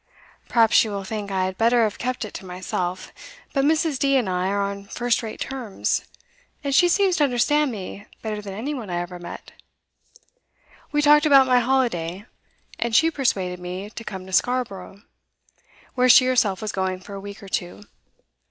Perhaps you will think I had better have kept it to myself, but Mrs. D. and I are on first rate terms, and she seems to understand me better than any one I ever met. We talked about my holiday, and she persuaded me to come to Scarborough, where she herself was going for a week or two.